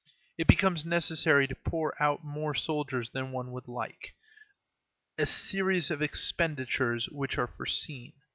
It becomes necessary to pour out more soldiers than one would like; a series of expenditures which are the unforeseen.